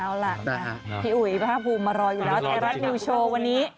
เอาล่ะพี่อุ๋ยภาคภูมิมารออยู่แล้วไทยรัฐนิวโชว์วันนี้